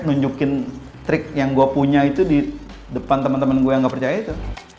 nunjukin trik yang gue punya itu di depan temen temen gue yang gak percaya itu